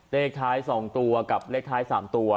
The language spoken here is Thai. เลขท้าย๒ตัวกับเลขท้าย๓ตัว